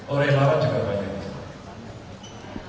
oh relawan juga banyak